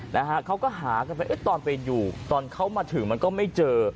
นะฮะเขาก็หากันไปเอ๊ะตอนไปอยู่ตอนเขามาถึงมันก็ไม่เจอ